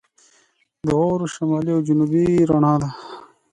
د اورورا شمالي او جنوبي رڼا ده.